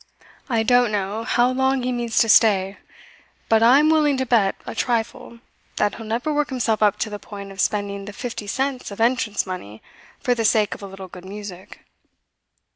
I don't know how long he means to stay, but I'm willing to bet a trifle that he'll never work himself up to the point of spending the fifty cents of entrance money for the sake of a little good music."